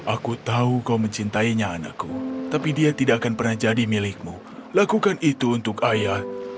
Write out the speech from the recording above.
aku tahu kau mencintainya anakku tapi dia tidak akan pernah jadi milikmu lakukan itu untuk ayah